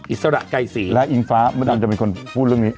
อิสระไกรศรีและอิงฟ้ามดดำจะเป็นคนพูดเรื่องนี้